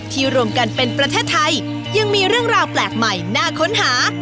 รวมกันเป็นประเทศไทยยังมีเรื่องราวแปลกใหม่น่าค้นหา